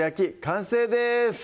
完成です